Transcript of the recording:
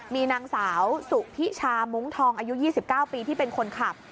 มีนางสาวสุพิชามุ้งทองอายุ๒๙ปีที่เป็นคนขับ